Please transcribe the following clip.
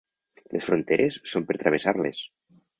Les fronteres són per travessar-les.